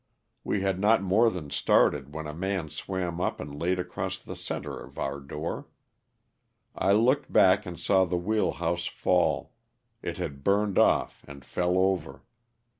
We had not more than started when a man swam up and laid across the center of our door. I looked back and saw the wheel house fall — it had burned off and fell over.